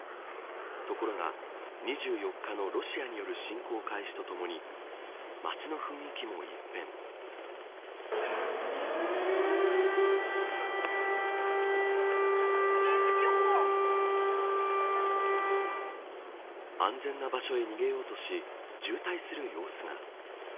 ところが２４日のロシアによる侵攻開始とともに街の雰囲気も一変安全な場所へ逃げようとし渋滞する様子が。